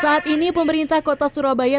saat ini pemerintah kota surabaya